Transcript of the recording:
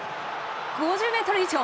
５０ｍ以上。